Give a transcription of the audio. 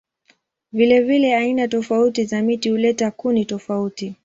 Vilevile aina tofauti za miti huleta kuni tofauti.